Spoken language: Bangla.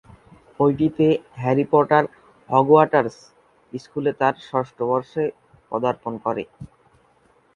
বইটিতে হ্যারি পটার হগওয়ার্টস স্কুলে তার ষষ্ঠ বর্ষে পদার্পণ করে।